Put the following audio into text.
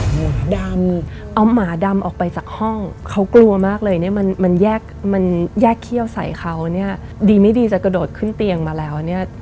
หมูดำเอาหมาดำออกไปจากห้องเขากลัวมากเลยเนี่ยมันมันแยกมันแยกเขี้ยวใส่เขาเนี่ยดีไม่ดีจะกระโดดขึ้นเตียงมาแล้วเนี่ย